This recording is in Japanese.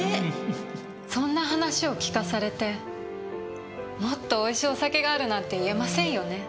そんな話を聞かされてもっと美味しいお酒があるなんて言えませんよね。